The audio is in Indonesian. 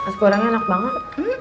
sekorangnya enak banget